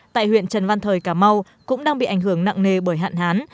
tại huyện trần văn thời cà mau cũng đang bị ảnh hưởng nặng nề bởi hạn hán